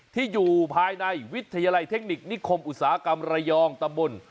ที่อยู่ภายในวิทยาลัยเทคนิคนิคมอุตสาหกรรมระยองตำบล